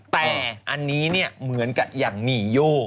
แต่อันนี้เนี่ยเหมือนกับอย่างหมี่โย